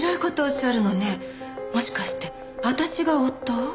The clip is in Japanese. もしかして私が夫を？